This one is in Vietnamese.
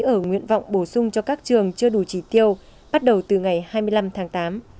ở nguyện vọng bổ sung cho các trường chưa đủ trí tiêu bắt đầu từ ngày hai mươi năm tháng tám